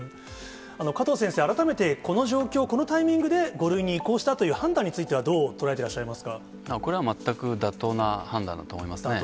加藤先生、改めてこの状況、このタイミングで５類に移行したという判断については、どう捉えこれは全く妥当な判断だと思いますね。